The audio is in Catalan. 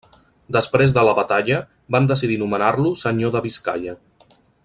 Després de la batalla, van decidir nomenar-lo Senyor de Biscaia.